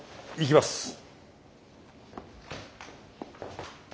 行きます。